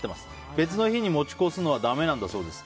別の日に持ち越すのはだめなんだそうです。